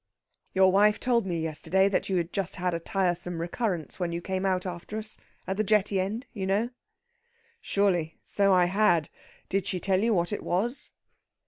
"Your wife told me yesterday that you had just had a tiresome recurrence when you came out after us at the jetty end, you know." "Surely! So I had. Did she tell you what it was?"